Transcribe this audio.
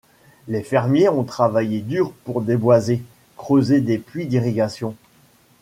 Les fermiers ont travaillé dur pour déboiser, creuser des puits d'irrigation.